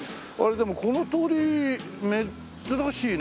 でもこの通り珍しいね。